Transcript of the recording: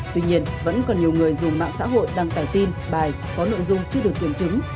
tuy nhiên vẫn còn nhiều người dùng mạng xã hội đăng tải tin bài có nội dung chưa được kiểm chứng